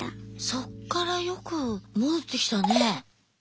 そこからよく戻ってきたね。